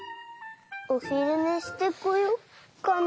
おひるねしてこようかな。